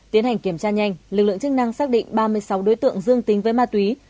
tiến hành kiểm tra nhanh lực lượng chức năng xác định ba mươi sáu đối tượng dương tính với ma túy